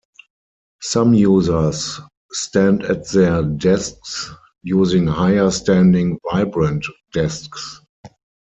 Some users stand at their desks using higher standing vibrant desks.